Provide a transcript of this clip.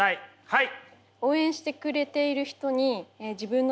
はい。